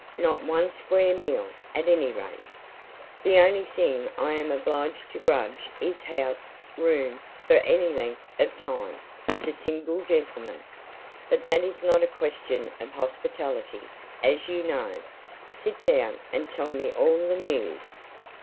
"Not one square meal, at any rate. The only thing I am obliged to grudge is house room for any length of time to single gentlemen. But that is not a question of hospitality, as you know. Sit down, and tell me all the news."